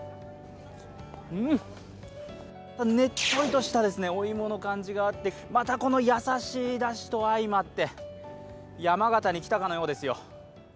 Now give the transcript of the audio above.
ねっとりしたお芋の感じがあって、またこの優しいだしと相まって山形に来たかのようですよ。